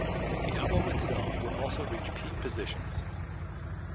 The album itself would also reach peak positions.